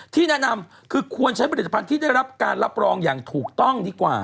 ที่แนะนำคือควรใช้ผลิตภัณฑ์ที่ได้รับการรับรองอย่างถูกต้องดีกว่า